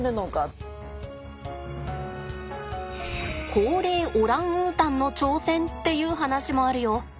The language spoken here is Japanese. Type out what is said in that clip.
高齢オランウータンの挑戦っていう話もあるよ。